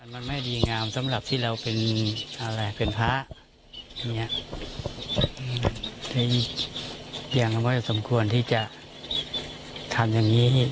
มันไม่ดีงามสำหรับที่เราเป็นอะไรเป็นพระยังไม่สมควรที่จะทำอย่างนี้